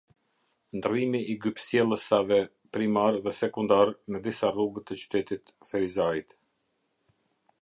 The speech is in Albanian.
Ndrrimi i gypësjellsave primar dhe sekundar në disa rrugë të qytetit-Ferizajit